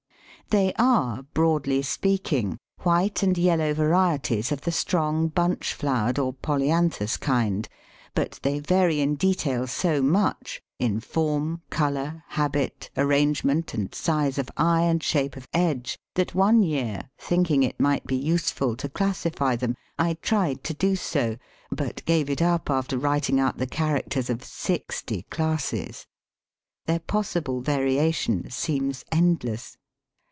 They are, broadly speaking, white and yellow varieties of the strong bunch flowered or Polyanthus kind, but they vary in detail so much, in form, colour, habit, arrangement, and size of eye and shape of edge, that one year thinking it might be useful to classify them I tried to do so, but gave it up after writing out the characters of sixty classes! Their possible variation seems endless.